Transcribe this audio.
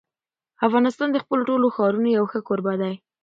افغانستان د خپلو ټولو ښارونو یو ښه کوربه دی.